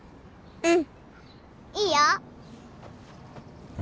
うん。